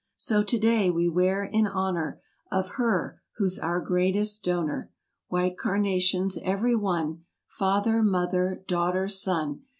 So today, we wear in honor Of her, who's our greatest donor. White carnations—every one— 212 Father, mother, daughter, son.